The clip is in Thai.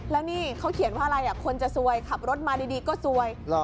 แล้วนี่เขาเขียนว่าอะไรคนจะซวยขับรถมาดีก็ซวย